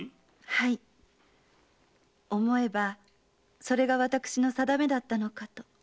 はい思えばそれが私のさだめだったのかと。